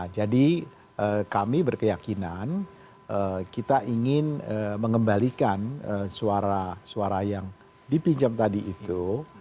jadi kami berkeyakinan kita ingin mengembalikan suara suara yang dipinjam tadi itu